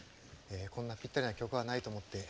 こんなぴったりな曲はないと思って。